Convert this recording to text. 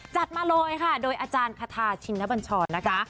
จัดมาเลยค่ะโดยอาจารย์คาทาชินบัญชรนะคะ